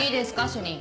主任。